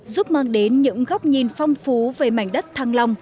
giúp mang đến những góc nhìn phong phú về mảnh đất thăng long